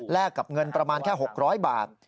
กับเงินประมาณแค่๖๐๐บาท